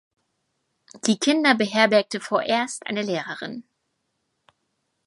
Die Kinder beherbergte vorerst eine Lehrerin.